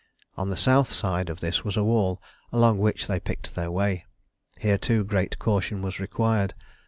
On the south side of this was a wall, along which they picked their way. Here, too, great caution was required.